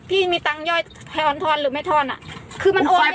พี่มีตังค์ย่อยแพร่ออนทรหรือไม่ทรอ่ะคือมันโอ้ยให้ใคร